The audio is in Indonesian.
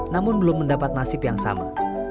namun belum mendapat nasib yang sama